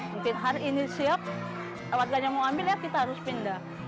mungkin hari ini siap warganya mau ambil ya kita harus pindah